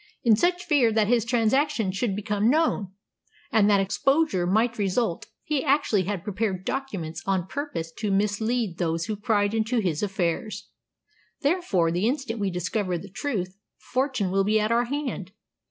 "In such fear that his transactions should become known, and that exposure might result, he actually had prepared documents on purpose to mislead those who pried into his affairs. Therefore, the instant we discover the truth, fortune will be at our hand.